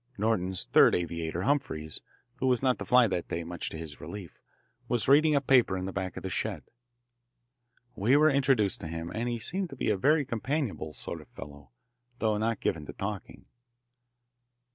Norton's third aviator, Humphreys, who was not to fly that day, much to his relief, was reading a paper in the back of the shed. We were introduced to him, and be seemed to be a very companionable sort of fellow, though not given to talking.